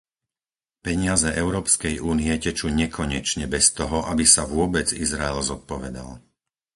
Peniaze Európskej únie tečú nekonečne bez toho, aby sa vôbec Izrael zodpovedal.